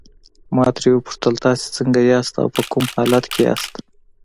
ما ترې وپوښتل تاسي څنګه یاست او په کوم حالت کې.